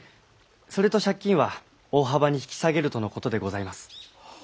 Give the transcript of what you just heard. それと借金は大幅に引き下げるとのことでございます。